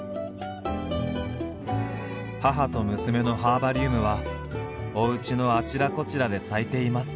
母と娘のハーバリウムはおうちのあちらこちらで咲いています。